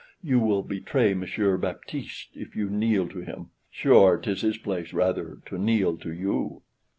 You will betray Monsieur Baptiste if you kneel to him; sure 'tis his place rather to kneel to you."